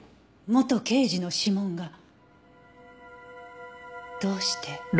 元刑事の指紋がどうして。